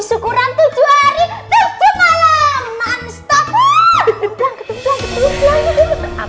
syukuran tujuh hari tujuh malam